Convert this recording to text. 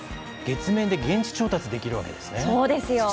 月面で現地調達できるわけですね、そうですよ。